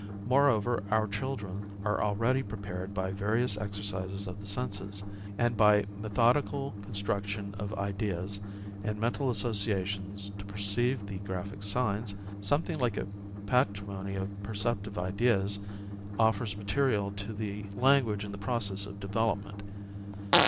Moreover our children are already prepared by various exercises of the senses, and by methodical construction of ideas and mental associations to perceive the graphic signs; something like a patrimony pf perceptive ideas offers material to the language in the process of development.